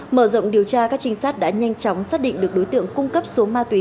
mở rộng điều tra các trinh sát đã nhanh chóng xác định được đối tượng cung cấp số ma túy